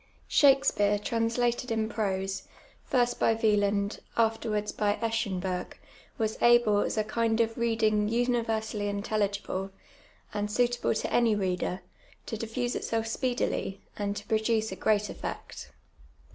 Shakspeare, translated in prose, first by Wieland, afterwards by Eschenburg, was able, as a kind of reading universally intelligible, and suitable to jmy reader, to diffusa itself speedily, and to produce a great effect.